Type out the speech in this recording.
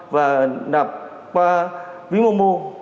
và nạp qua ví mô mô